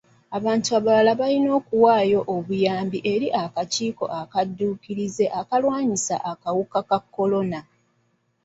Abantu abalala balina okuwaayo obuyambi eri akakiiko akadduukirize ak'okulwanyisa akawuka ka kolona.